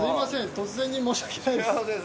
突然で申し訳ないです。